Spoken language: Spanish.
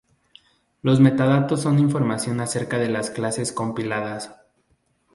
Los metadatos son información acerca de las clases compiladas.